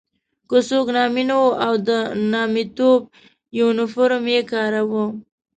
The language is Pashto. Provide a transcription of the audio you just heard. که څوک نامي نه وو او د نامیتوب یونیفورم یې کاراوه.